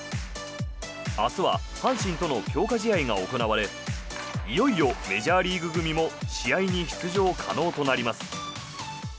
明日は阪神との強化試合が行われいよいよメジャーリーグ組も試合に出場可能となります。